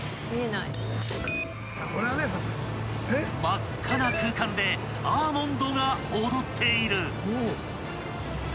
［真っ赤な空間でアーモンドが踊っている］